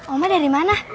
oma dari mana